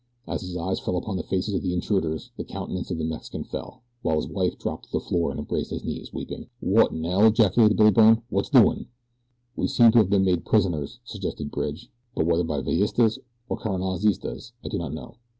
As his eyes fell upon the faces of the intruders the countenance of the Mexican fell, while his wife dropped to the floor and embraced his knees, weeping. "Wotinell?" ejaculated Billy Byrne. "What's doin'?" "We seem to have been made prisoners," suggested Bridge; "but whether by Villistas or Carranzistas I do not know."